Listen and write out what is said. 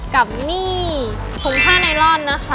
กับนี่โทงผ้านายลอนนะคะ